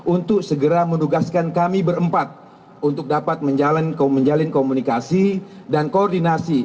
untuk segera menugaskan kami berempat untuk dapat menjalin komunikasi dan koordinasi